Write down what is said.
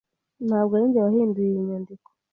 Ntabwo ari njye wahinduye iyi nyandiko.